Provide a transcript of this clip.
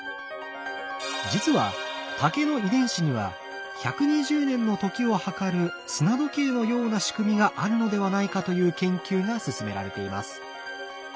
実は竹の遺伝子には１２０年の時を計る砂時計のような仕組みがあるのではないかという研究が進められています。